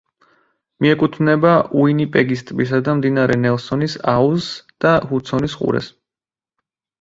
მიეკუთვნება უინიპეგის ტბისა და მდინარე ნელსონის აუზსს და ჰუდსონის ყურეს.